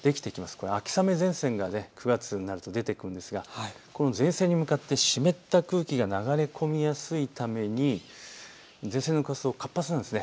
これは秋雨前線が９月になると出てくるんですが、この前線に向かって湿った空気が流れ込みやすいために前線の活動が活発になるんです。